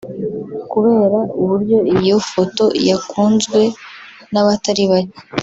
Kubera uburyo iyo foto yakunzwe n’abatari bake